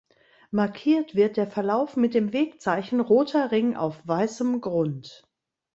Markiert wird der Verlauf mit dem Wegzeichen „roter Ring auf weißem Grund“.